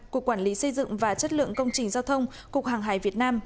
cục quản lý xây dựng và chất lượng công trình giao thông cục hàng hải việt nam